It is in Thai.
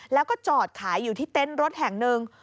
แล้วก็จอดขายอยู่ที่เต็นต์รถแห่งหนึ่ง